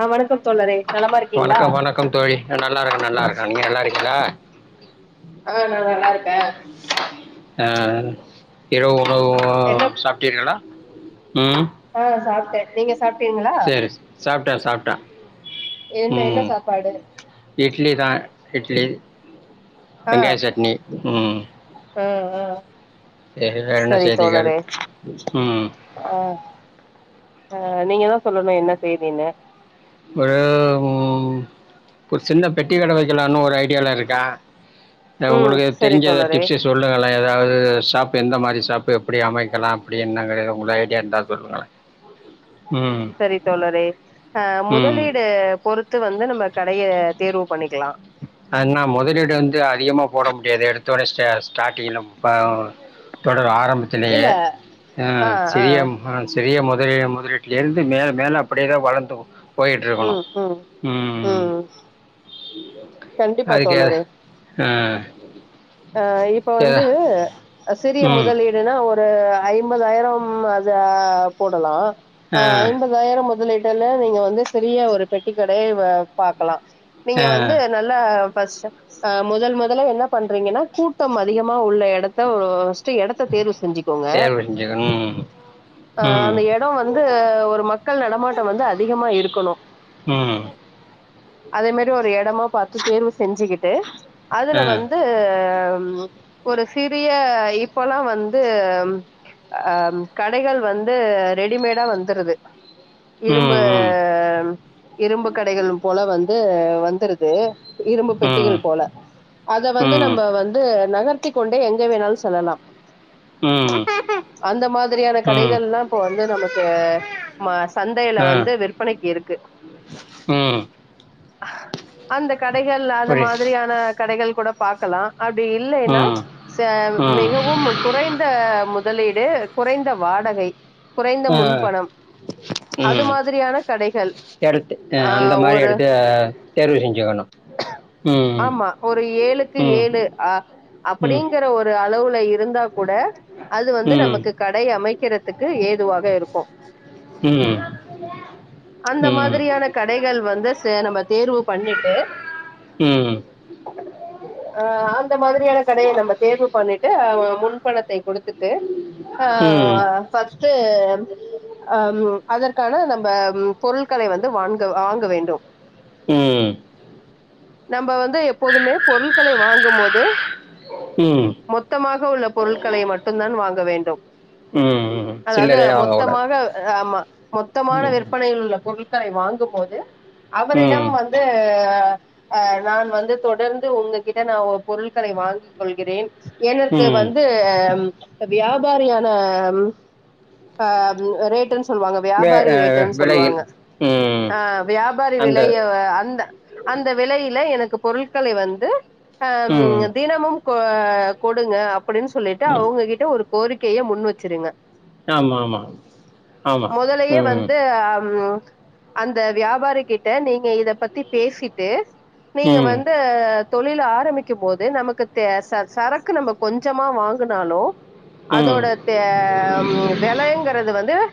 ஆ வணக்கம் தோழரே நலமா இருக்கீங்களா ஆ நல்லாருக்கே நல்லாருக்கே நீங்க நல்லாருக்கீங்களா ஆ நா நல்லா இருக்கே [inaudible] ஆ இரவு உணவு என்ன சாப்டீர்களா ஆ சாப்ட்டே நீங்க சாப்ட்டீங்களா சாப்பிட்டே சாப்பிட்டே என்ன என்ன சாப்பாடு இட்லிதா இட்லி ஆ வெங்காய சட்னி ம் ஆ ஆ செரி வேற என்ன சரி செய்திகள் தோழரே ம் ஆ ஆ நீங்க எதா சொல்லணு என்ன செய்தின்னு ஒரு உ ஒரு சின்ன பெட்டிக்கட வெக்கலான்னு ஒரு ஐடியாவுல இருக்கே ஆ ம் உங்களுக்கு சரி தெரிஞ்ச தோழரே டிப்ஸு சொல்லுங்களே எதாவது ஸ் ஷாப்பு எந்த மாரி ஷாப்பு எப்டி அமைக்கலா அப்டின்னு [unintelligible] உங்க ஐடியா இருந்தா சொல்லுங்களே செரி தோழரே ஆ ம் முதலீடு பொறு க்கு வந்து நம்ம கடைய தேர்வு பண்ணிக்கலா ஆனா முதலீடு வந்து அதிகமா போட முடியாது எடுத்த ஒடனே ஸ்டா ஸ்டார்ட்டிங்ல ப்ப தொடர் ஆரம்பத் ம் இல்ல [unintelligible] ஆ சிறிய ஆ சிறிய [unintelligible] சிறிய முதலீட்டுலேர்ந்து மேல மேல அப்டியேதா வளந்து போயிட்ருக்கணு ம் ம் ம் கண்டிப்பா அதுக்கு எது தோழரே ஆ ஆ இப்ப வந்து எதா சிறிய ம் முதலீடுனா ஒரு ஐம்பதாயிரம் அத போடலா ஆ ஐம்பதாயிரம் முதலீட் வேண்ணா நீங்க வந்து சிறிய ஒரு பெட்டி கடை ஆ பாக்கலா நீங்க ஆ வந்து நல்லா ஃபர்ஸ்ட்டு ஆ முதல் முதல்ல என்ன பண் ரீங்கன்னா கூட்டம் அதிகமா உள்ள எடத்த இடத்தை தேர்வு செஞ்சுக்கோங்க தேர்வு செஞ்சுக்கணும் அ ம் அந்த‌ இடம் வந்து ஒரு ஒரு மக்கள் நடமாட்டோ வந்து அதிகமா இருக்கணு ம் அதே மாரி ஒரு எடமா பாத்து தேர்வு செஞ்சுக்கிட்டு அதுல ஆ வந் ஹாம் ஒரு சிறிய இப்பல்லாம் வந்து ஆஹ் கடைகள் வந்து ரெடிமேடா வந்துருது இரும்பு ம் ம் இரும்பு கடைகளும் போல வந்து வந்துருது இரும்பு ம் பெட்டிகள் போல அத வந்து ம் நம்ம வந்து அத நகர்த்திக் கொண்டே எங்க வேணாலும் செல்லலாம் ம் அந்த மாதிரியான ம் கடைகள் எல்லாம் இப்ப வந்து நம்ம ஆ மாஸ் சந்தையில ஆ வந்து விற்பனைக்கு இருக்கு ம் அந்த கடைகள் அது புரியுது மாதிரியான கடைகள் கூட பாக்கலா அப்படி இல்லைன்னா ம் ச ம் மிகவும் குறைந்த முதலீடு குறைந்த வாடகை குறைந்த ஆஹ் முன்பணம் அது உம் மாதிரியான கடைகள் எடுத்து ஆ ஹ் அந்த மாரி ஒரு எடுத்து தேர்வு செஞ்சுக்கணு ஆமா ஒரு ஏழுக்கு ம் ஏழு அ ம் ம் அப்படிங்கிற ஒரு அளவுல இருந்தா கூட அது வந்து நமக்கு ம் கடை அமைக்கிற த்துக்கு ஏதுவாக இருக்கும் உம் அந்த மாதிரியான கடைகள் வந்து ச நம்ம தேர்வு பண்ணிட்டு ஆ [unintelligible] இந்த மாதிரியான கடையை நம்ம தேர்வு பண்ணிட்டு முன்பணத்தை கொடுத்துட்டுஹ ம் ஃபஸ்ட்டு ஹம் அதற்கான நம்ம பொருட்களை வந்து வாங்க வாங்க வேண்டும் உம் நம்ம வந்து எப்போதுமே பொருட்களை வாங்கும் மோது ம் மொத்தமாக உள்ள பொருட்களை மட்டும் தான் வாங்க வேண் ம் [inaudible] அதாவது சில்லறையா வாங்கக்கூடாது மொத்தமாக ஆமா மொத்தமான விற் ம் [unintelligible] பொருட்களை வாங்கும் போது அவரிடம் ம் வந்து ஹா நான் வந்து தொடர்ந்து உங்ககிட்ட நான் பொருட்களை வாங்கிக் கொள்கிறேன் எனக்கு ம் வந்து வியாபாரியான ஹா உம் ரேட்டன்ஸ் சொல்லுவாங்க வே வியாபாரி ஆ ரேட் விலையில் சொல்லுவாங்க ம் ஹா வியாபாரி அந்த விலைய அந் ந்த அந்த விலையில எனக்கு பொருட்களை வந்து அம் ம் தினமும் கொ கொடுங்க அப் அப்படின்னு சொல்லிட்டு ம் அவுங்ககிட்ட ஒரு கோரிக் கேய முன் வச்சுருங்க ஆமா-ஆமா-ஆமா உம் அம் அந்த வியாபாரி கிட்ட நீங்க இத பத்தி பேசிட்டு நீங்க ம் வந்து தொழில ஆரம்பிக்கும் போது நமக்கு தே ச சரக்கு நம்ம கொஞ்சமா வாங்குனாலு ம் அதோட தே வெலைங்கிறது வந் [unintelligible]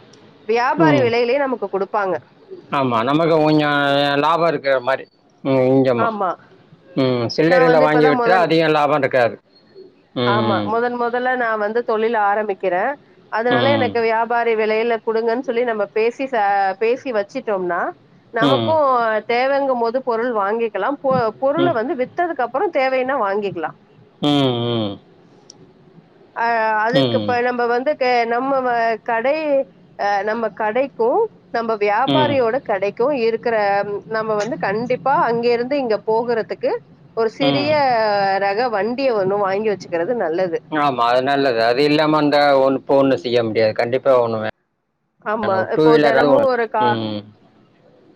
வியாபாரி விலையில் கு குடுப்பாங்க ஆமா நமக்கு கொஞ்சம் லாபம் இருக்கற மாரி உம் இங்கம்மா ஆமா உம் நா சில்லறில வந்து வாங்கி இப்பதா விற்ற முதல் அதிகம் லாபம் இருக்காது [inaudible] ஆமா முதன் முதல்ல நா வந்து தொழில் ஆர ரம்பிக்கிறேன் அதனால ம் எனக்கு வியாபா வி விலையில குடுங்கன்னு சொல்லி நம்ம பேசி ச பேசி வச்சிட்டோம்னா ம் நமக்கும் தேவங்க ம்போது பொருள் வாங்கிக் எல்லாம் பொ ம் பொருள ம் வந்து வித்ததுக்கு அப் அப்புறம் தேவைனா வாங்கிக்கலா ம் ம் ஆ அதுக்கு இப்ப நம்ப வந்து ஹ நம்ம கடை அஹ நம்ம கடைக்கும் நம்ம ம் வியாபாரியோட கடைக்கும் இருக் க்குற நம்ம வந்து கண்டிப்பா அங்க இருந்து இங்க போகுறதுக்கு ஒரு சிறிய ம் ரக வண் [unintelligible] ஒன்னு வாங்கி வச்சுக்கிறது அது நல்லது ஆமாம் அது நல்லது அது இல்லாம அந்த ஒரு போ [unintelligible] செய்ய முடியாது கண்டிப்பா ஒண்ணு வேன் நாங்க ஆமா ஒரு டூ இப்போ வீலரா தினமு ஒரு கா உம்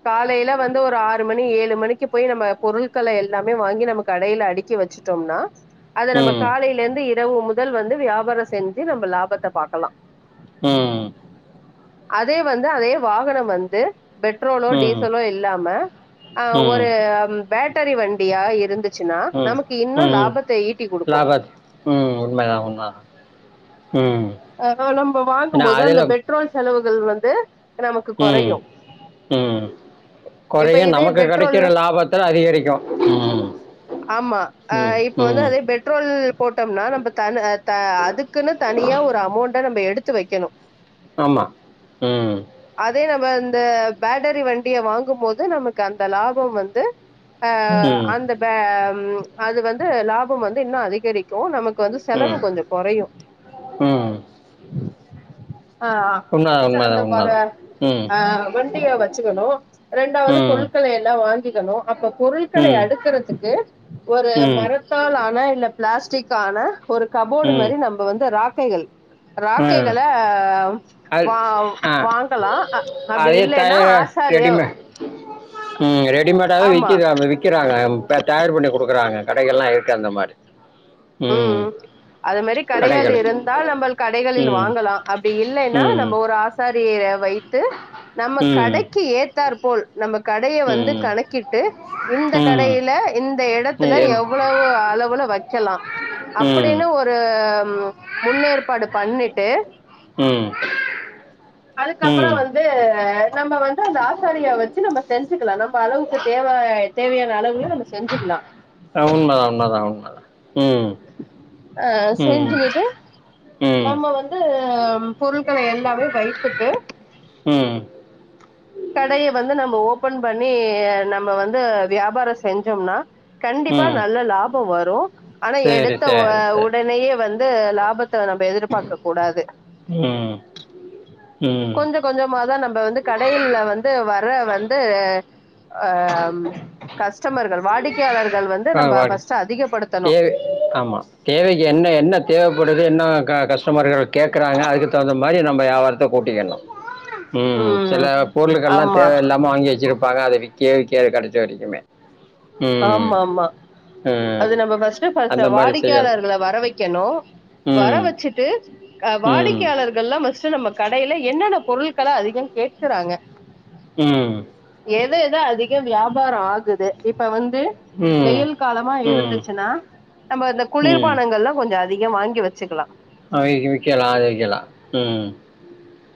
காலையில வந்து ஒரு ஆறு மணி ஏழு மணிக்கு போய் நம்ம பொருட்களை எல்லாமே வாங்கி நம்ம கடையில அடிக்கி வச்சிட்டோம்னா அத நம்ம ம் காலையிலருந்து இரவு முதல் வந்து வியாபாரோ செஞ்சு நம்ம லாபத்த பாக்கலா உம் அதே வந்து அதே வாகனம் வந்து பெட்ரோலோ ம் டீசலோ இல்லாம ஹா ம் ஒரு பேட் [unintelligible] வண்டியா இருந்து உம் உம் குடுக்கு லாபத் உம் உண்மை தான் உண்ம [unintelligible] நம்ம ஏன்னா வாங்கும்போது அந்த பெட்ரோல் செலவு [unintelligible] வந்து நமக்கு உம் கொறையு உம் இப்ப குறையும் இதே நமக்கு பெட்ரோல்னா கடைக்கிற லாபத்துல அதிகரிக்கும் ஆமா. அ உம் இப்ப வந்து உம் அதே பெட்ரோல் போட்டோம்னா நம்ப தன் அ த அதுக் க்குன்னு தனியா ஒரு த நம்ம எடுத்து வைக்கணு ஆமா உம் வா அந்த பேட்டரி வண்டிய வாங்கும்போது நமக்கு அந்த லாபம் வந்து ஆ ம் அந்த பே ம் அது வந்து லாபம் வந்து இன்னும் அதிகரிக்கும் நமக்கு வந்து செலவு ம் கொஞ்சம் குறையும் ம் ஆஹ் ஃபர்ஸ்ட் அந்த உண்மைதான் உண்மைதான் உண்மைதான் ஆஹ் ம் ஆ வண்டிய வச்சுக்கணும் ரெண்டாவது ம் பொருட்கள எல்லா வாங்கி க்கனு அப்போ பொருட்களை ம் அடுக்கறதுக்கு ஒரு ம் மரத்தால் ஆன இல்ல பிளாஸ்டிக் ஆன ஒரு கபோர்டு ம் மாரி நம்ப வந்து ராக் கைகள் ம் ராக்கைகள ஆ அது வாவ் ஆ வாங்கலா அ அப்படி அதே இல்லைன்னா தயார் ஆசாரிய ரெடிமேட் ம் ரெடிமேடாவே ஆமா வி்க்கிது அது விக்கிறாங்க தயார் பண்ணி குடுக்குறாங்க கடைகள் எல்லாம் இருக்கு அந்த மாரி ம் அது மாதிரி கடகள் கடைகள் இருந்தால் நம்ம கடை கடகளில் ம் வாங்கலாம் அப்டி இல்லன்னா ம் நம்ம ஒரு ஆசா தி ற வை இட்டு நம்ம ம் கடைக்கு ஏ தர் போல் நம்ம கடய வந்து ம் கணக்கிட்டு இந்த ம் கடயில இந்த இடத்துல என் எவ்வளவு அளவுல வைக்கலாம் ம் அப்டின்னு ஒரு முன்னேற்பாடு பண்ணிட்டு ம் அதுக்கப்புறம் ம் வந்து நம்ம வந்து அந்த ஆசாரியா வச்சு நம்ம செஞ்சுக்கலாம் நம்ம அளவுக்கு தேவ தேவையான அளவுல நம்ம செஞ்சுக்கலாம் ஆ, உண்மைதான் உண்மைதான் உண்மைதான் ம் அ ம் செஞ்சுக்கேட்டு நம்ம வந்து ஆம் பொருள்களை எல்லாமே வைத்துட்டு ம் ம் கடய வந்து நம்ம ஓபன் பண்ணி நம்ம வந்து வியாபாரம் செஞ்சோம்னா கண்டிப்பா ம் நல்ல லாபம் வரும் ஆனா சரி எடுத்த சரி சரி உடனேயே வந்து லாபத்தை நம்ம எதிர்பார்க்க கூடாது ம் ம் கொஞ்சம் கொஞ்சம தான் நம்ம இப்ப வந்து கடையில் ல வந்து வர இப்ப வந்து ம்ஹ கஸ்டமர்கள் வாடிக்கையாளர்கள் வந்து நம்ம ஆஹவடி ஃபர்ஸ்ட் அதிகப்படுத்தணு தேவை ஆமா தேவைக்கு என்ன என்ன தேவ எப்பொளுது என்ன கஸ்டமர்கள் கேட்கறாங்க அதுக்கு தவுந்த மாரி நம்ம யாவாரத்த கூட்டிக்கிடணும் உம் சில ம் பொருள்கள் எல்லாம் ஆமா தேவையில்லாம வாங்கி வச்சிருப்பாங்க அதை விக்க [unintelligible] கெடைச்ச வரைக்குமே உம் அ அது நம்ம ஃபஸ்ட்டு அந்த [unintelligible] மாதிரி செய்யலாம் வாடிக்கையாளர்கள வர வைக்கணும் வர ம் வச்சுட்டு ம் வாடிக்கையாளர்கள ஃபஸ்ட்டு நம்ம கடையில என்னென்ன பொருள்களஅதிக கேட்குறாங்க ம். எதுஎது அதிக வியாபார ஆக் க்குது இப் பவன் து ம். வெயில் காலமா ம். இருந்துச்சுன்னா நம்ம இந்த ம். குளிர்பானங்கள்லா கொஞ்ச அதிக வாங்கி வச்சுக்கலாம் அவிங்களுக்கு விக்கலா அது விக்கலா உம்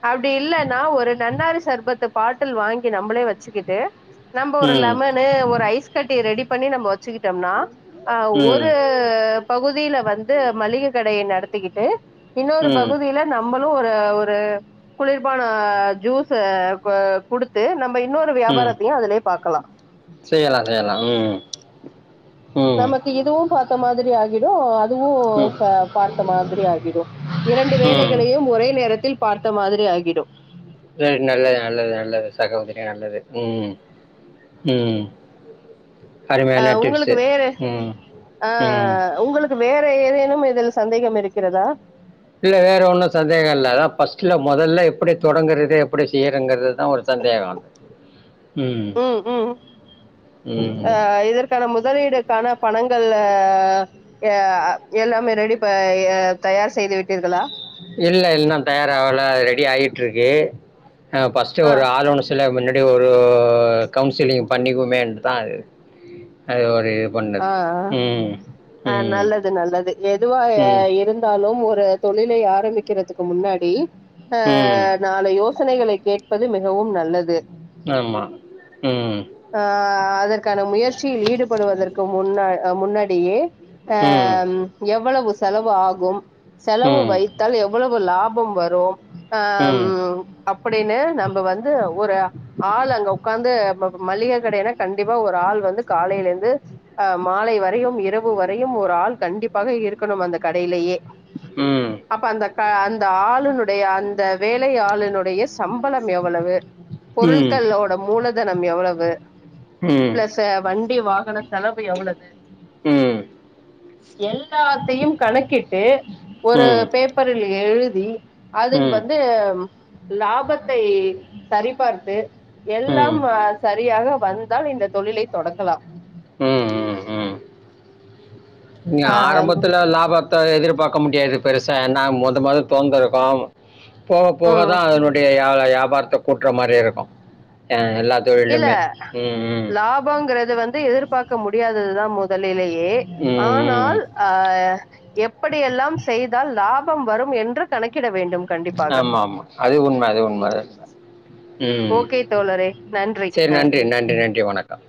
அப்டில்ல நா ஒரு நன்னாரி சர்பத்த பாட்டில் வாங்கி நம்மளே வச்சுக்கிட்டு நம்ம ஒரு ம். லெமனு ஒரு ஐஸ் கட்டி ரெடிப் பண்ணி நம்ம வச்சிக்கிட்டம்னா ஆஹ் ம். ஒரு பகுதில வந்து மளிக கடைய நடத்திக்கிட்டு இன்னொரு ம். பகுதியில நம்ம னு ஒரு ஒரு குளிர்பான ஜூஸ இப்ப குடுத்து நம்ம இப்ப இன்னொரு ம். வியாபாரத்தையும் அதுலயே பாக்கலாம் செய்யலாம், செய்யலாம். ம். ம். நமக்கு இதுவும் பாத்த மாதிரி ஆகி விடும் அத் இதுவும் ம். இப்ப பாத்த மாதிரி ஆகிடும் இரண்டு ம். வேலைகளையும் ஒரே நேரத்தில் பாத்த மாதிரி ஆகிடும் செரி நல்லது நல்லது நல்லது சகோதரி நல்லது உம் உம் அஹ் உங்களுக்கு வேற ம். ஆஹ் உங்களுக்கு வேற எதேனு இன்னும் இதில் சந்தேகம் இருக்கிறதா இல்ல வேற ஒன்னும் சந்தேகோ இல்ல அதான் ஃபர்ஸ்ட்ல மொதல்ல எப்டி தொடங்குறது எப்டி செய்யறங்குறதுதா ஒரு சந்தேகோ அது உம் உம் ம். ஆஹ இதற்கான முதலீடுக்கான பணங் கல்ல அ எல்லாமே ரெடி ப தயார் செய்து விட்டீர்களா இல்ல இன்னோ தயாராவல ரெடி ஆயிட்டுருக்கு ஆ ஃபஸ்ட்டு ஆ ஒரு [unintelligible] அது ஒரு கவுன்சிலிங் பண்ணிக்குமேன்ட்டு தான் அ அது இது பண்ணது ஆஹ் அஹ் ம் ஹா ம் நல்லது நல்லது எதுவா ம் இருந்தாலு ஒரு தொழிலை ஆரம்பிக்கிறதுக்கு முன்னாடி ம் அஹ் நாளை யோசனைகளை கேட்பது மிகவும் நல்லது ஆமாம் ம் அஹ் அதற்கான முயற்சியில் ஈடுபடுவதற் முன்ன அ முன்னாடியே ஹ ம் எவ்வளவு செலவு ஆகும் ம் செலவு ம் வைத்தால் எவ்வளவ் இப்ப லாபம் வரும் ஹாம் ம் அப்படின்னு நம்ம வந்து ஒரு ஆள் அங்க உட்காந்து ப ப மளிக கடையின கண்டிப்பா ஒரு ஆள் வந்து காலைல இருந்து அ மாலை வரையும் இரவு வரையும் ஒரு ஆள் கண்டிப்பாக இருக்கணும் அந்த கடையிலயே ம் அப்ப அந்தக் ஹ அந்த ஆளுனுடைய அந்த வேலையாளுனுடைய சம்பளம் எவ்வளவு ம் பொருல்களோட மூலத் இத்தனம் எவ்வளவு ம் ம் பிளஸ்சு வண்டி வா செலவு எவ்லது ம் எல்லாத்தையும் கணக்கிட்டு ஒரு ம் பேப்பரில் எழுத் வீய் அதில் வந்து லாபத்தை சரிபார்த்து எல்லாம்ம சரியாக வந்தால் இந்த தொழிலை தொடங்கலா ம் ம் ம் நீ ஆஹ் ஆரம்பத்துல லாபத்தை எதிர்ப் பாக்க முடியாது பெருசா என்ன முத மாரி தோந்து இருக்கும் போக போக உம் தா அதனுடைய முதல்ல வியாபாரத்த கூட்ற மாரி இருக்கும் ய இல்ல லாபாங்கறது வந்து எதிர்பார்க்க முடியாததுதா முதலிலே எ ம் ம் ஆனால் அஹ் எப்படியெல்லாம் செய்தால் லாபம் வரும் என்று கணக்கிடப் ஆமாமா அது உண்மை அது உண்மை உம் ஓகே தோழரே செரி நன்றி நன்றி நன்றி வணக்கம்